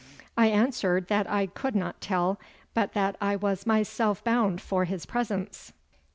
I answered that I could not tell, but that I was myself bound for his presence.